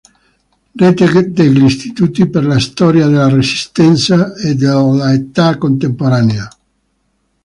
Rete degli istituti per la Storia della Resistenza e dell'età contemporanea.